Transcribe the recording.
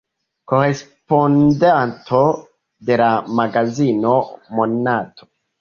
Korespondanto de la magazino Monato.